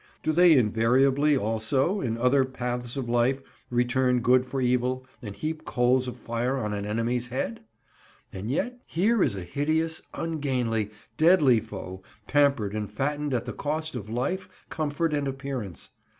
Do they invariably also, in other paths of life, return good for evil, and heap coals of fire on an enemy's head? And yet here is a hideous, ungainly, deadly foe pampered and fattened at the cost of life, comfort, and appearance.